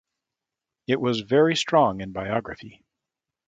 It was very strong in biography.